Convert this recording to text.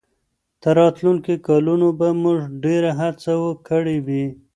تر راتلونکو کلونو به موږ ډېره هڅه کړې وي.